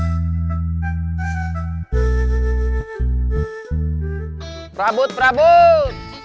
bapak bapak perabot perabot